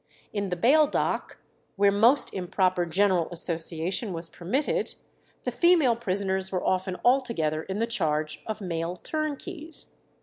In the bail dock, where most improper general association was permitted, the female prisoners were often altogether in the charge of male turnkeys.